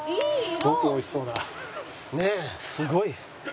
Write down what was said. すごい！